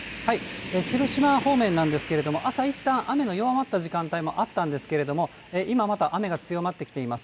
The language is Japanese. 広島方面なんですけれども、朝いったん雨の弱まった時間帯もあったんですけれども、今、また雨が強まってきています。